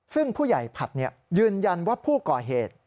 ซึ่งผู้ใหญ่ผัดยืนยันว่าผู้ก่อเหตุ